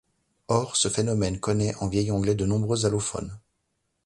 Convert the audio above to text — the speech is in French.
Or, ce phonème connaît en vieil anglais de nombreux allophones.